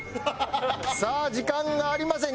さあ時間がありません。